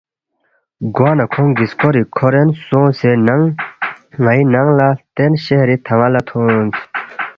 گوانہ کھونگ گِسکوری کھورین سونگسے ننگ نن٘ی ننگ لہ ہلتین شہری تھن٘ا لہ تھونس